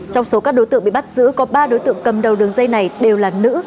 trong số các đối tượng bị bắt giữ có ba đối tượng cầm đầu đường dây này đều là nữ